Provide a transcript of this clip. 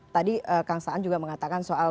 tadi kang saan juga mengatakan soal